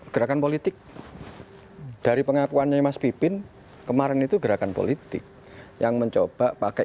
gerakan politik dari pengakuannya mas pipin kemarin itu gerakan politik yang mencoba pakai